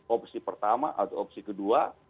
opsi pertama atau opsi kedua